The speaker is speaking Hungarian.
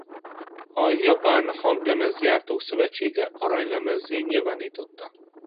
A Japán Hanglemezgyártók Szövetsége aranylemezzé nyilvánította.